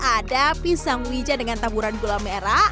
ada pisang wija dengan taburan gula merah